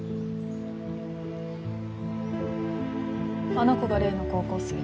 あの子が例の高校生？